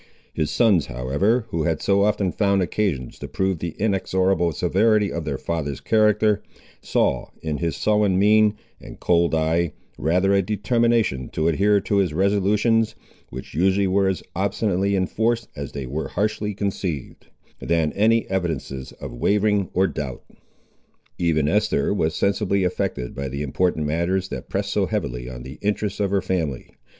His sons however, who had so often found occasions to prove the inexorable severity of their father's character, saw, in his sullen mien and cold eye, rather a determination to adhere to his resolutions, which usually were as obstinately enforced as they were harshly conceived, than any evidences of wavering or doubt. Even Esther was sensibly affected by the important matters that pressed so heavily on the interests of her family.